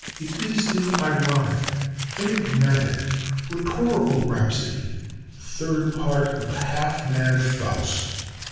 It is an ironic, enigmatic, rhetorical rhapsody, the Third Part of a half mad 'Faust.'